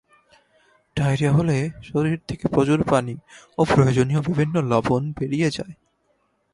Diarrhoea হলে শরীর থেকে প্রচুর পানি ও প্রয়োজনীয় বিভিন্ন লবণ বেরিয়ে যায়।